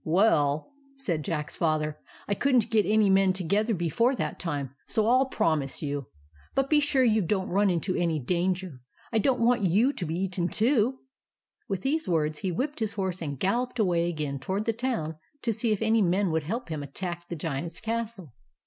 Well," said Jack's Father, " I could n't get any men together before that time, so I'll promise you. But be sure you don't run into any danger. I don't want you to be eaten, too." With these words, he whipped his horse and galloped away again toward the town to see if any men would help him to attack the 212 THE ADVENTURES OF MABEL Giant's castle.